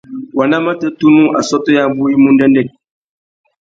Wanda matê tunu assôtô yabú i mú ndêndêk.